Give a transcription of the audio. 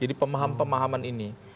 jadi pemahaman pemahaman ini